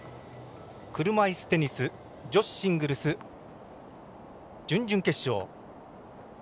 車いすテニス女子シングルス準々決勝。